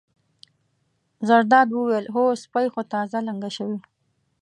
زرداد وویل: هو سپۍ خو تازه لنګه شوې.